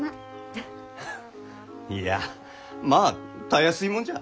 フッいやまあたやすいもんじゃ。